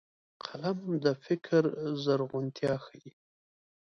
قلم د فکر زرغونتيا ښيي